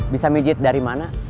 bisa pijit dari mana